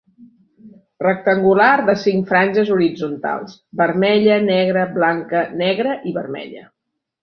Rectangular de cinc franges horitzontals, vermella, negre, blanca, negre i vermella.